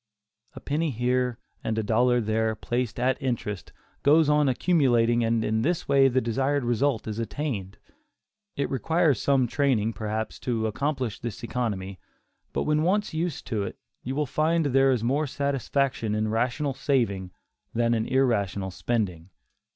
A penny here, and a dollar there, placed at interest, goes on accumulating, and in this way the desired result is attained. It requires some training, perhaps, to accomplish this economy, but when once used to it, you will find there is more satisfaction in rational saving, than in irrational spending.